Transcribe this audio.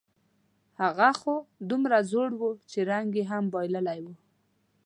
خو هغه دومره زوړ و، چې رنګ یې هم بایللی و.